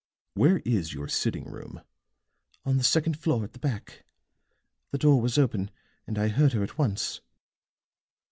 "Where is your sitting room?" "On the second floor at the back; the door was open and I heard her at once."